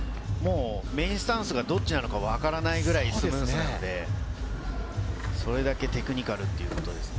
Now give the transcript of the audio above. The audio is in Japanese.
メインスタンスがどっちかわからないくらいスムーズなので、それだけテクニカルということですね。